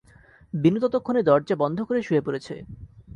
বিনু ততক্ষণে দরজা বন্ধ করে শুয়ে পড়েছে।